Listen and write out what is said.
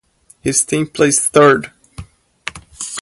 His team placed third.